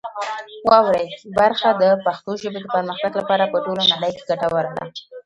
واورئ برخه د پښتو ژبې د پرمختګ لپاره په ټوله نړۍ کې ګټوره ده.